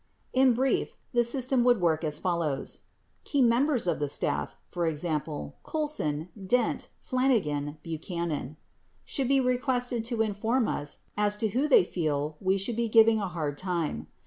In brief, the system would work as follows : Key members of the staff (e.g., Colson, Dent, Flanigan, Buchanan) should be requested to inform us as to who they feel we should be giving a hard time.